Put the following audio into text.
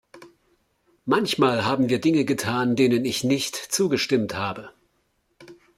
Manchmal haben wir Dinge getan, denen ich nicht zugestimmt habe.